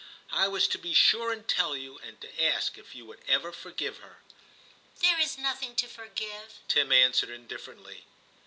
I was to be sure and tell you, and to ask if you would ever forgive her/ 'There is nothing to forgive/ Tim answered indifferently.